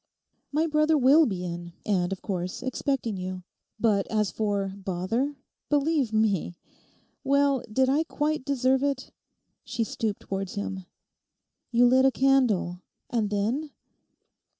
'My brother will be in, and, of course, expecting you. But as for "bother," believe me—well, did I quite deserve it?' She stooped towards him. 'You lit a candle—and then?